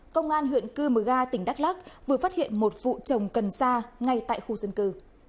công an huyện cư mờ ga tỉnh đắk lắc vừa phát hiện một vụ chồng cần sa ngay tại khu dân cư